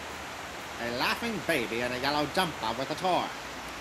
A laughing baby in a yellow jumper with toy